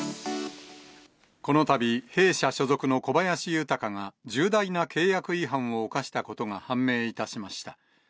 このたび、弊社所属の小林豊が、重大な契約違反を犯したことが判明いたしました。